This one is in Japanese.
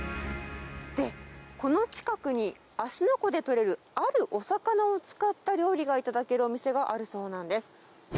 で、この近くに芦ノ湖で取れるあるお魚を使った料理が頂けるお店があるそうなんです。